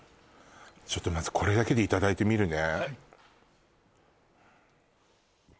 ちょっとまずこれだけでいただいてみるね